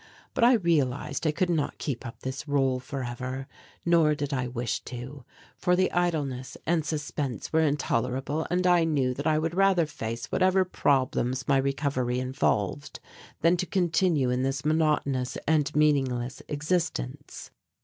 But I realized I could not keep up this rôle for ever. Nor did I wish to, for the idleness and suspense were intolerable and I knew that I would rather face whatever problems my recovery involved than to continue in this monotonous and meaningless existence.